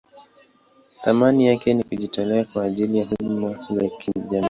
Thamani yake ni kujitolea kwa ajili ya huduma za kijamii.